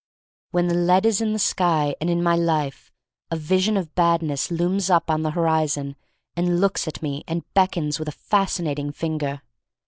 When the lead is in the sky and in my life, a vision of Badness looms up on the horizon and looks at me and beckons with a fascinating finger.